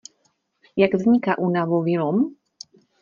Jak vzniká únavový lom?